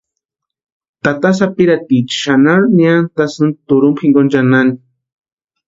Tata sapirhatiecha xanharu niantasïnti turhumpa jinkoni chʼanani.